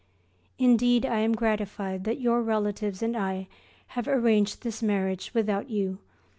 Indeed I am gratified that your relatives and I have arranged this marriage without you.